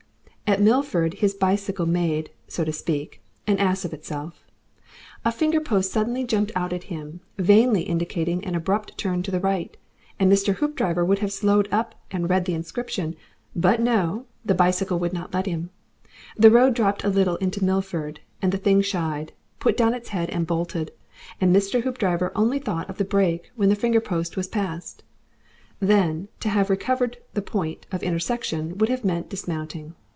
At Milford his bicycle made, so to speak, an ass of itself. A finger post suddenly jumped out at him, vainly indicating an abrupt turn to the right, and Mr. Hoopdriver would have slowed up and read the inscription, but no! the bicycle would not let him. The road dropped a little into Milford, and the thing shied, put down its head and bolted, and Mr. Hoopdriver only thought of the brake when the fingerpost was passed. Then to have recovered the point of intersection would have meant dismounting.